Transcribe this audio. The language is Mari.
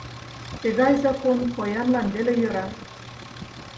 Тыгай закон поянлан веле йӧра!..